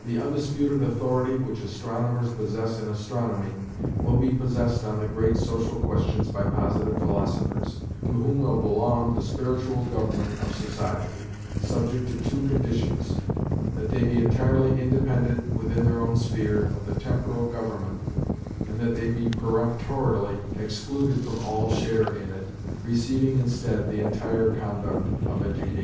The undisputed authority which astronomers possess in astronomy, will be possessed on the great social questions by Positive Philosophers; to whom will belong the spiritual government of society, subject to two conditions: that they be entirely independent, within their own sphere, of the temporal government, and that they be peremptorily excluded from all share in it, receiving instead the entire conduct of education.